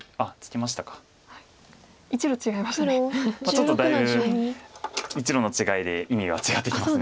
ちょっとだいぶ１路の違いで意味が違ってきます